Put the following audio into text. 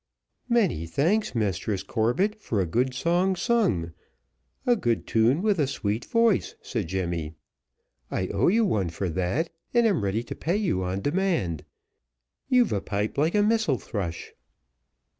"Many thanks, Mistress Corbett, for a good song, sung in good tune, with a sweet voice," said Jemmy. "I owe you one for that, and am ready to pay you on demand. You've a pipe like a missel thrush."